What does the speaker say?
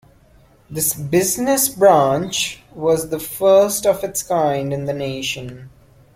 This "Business Branch" was the first of its kind in the nation.